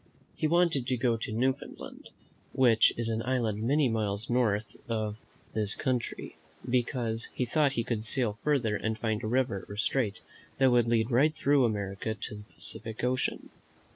He wanted to go to Newfoundland, which is an island many miles north of this country, because he thought he could sail further and find a river or strait that would lead right through America to the Pacific Ocean.